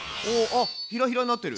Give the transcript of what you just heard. あっひらひらになってる。